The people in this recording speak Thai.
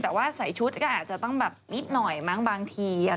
แต่ว่าใส่ชุดก็อาจจะต้องแบบนิดหน่อยมั้งบางที